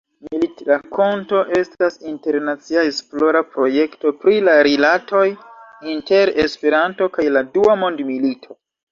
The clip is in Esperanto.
Militrakonto estas internacia esplora projekto pri la rilatoj inter Esperanto kaj la Dua Mondmilito.